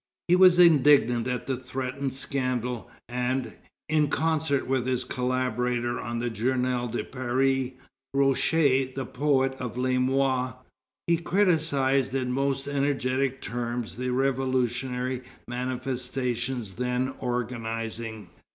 He was indignant at the threatened scandal, and, in concert with his collaborator on the Journal de Paris, Roucher, the poet of Les Mois, he criticised in most energetic terms the revolutionary manifestation then organizing.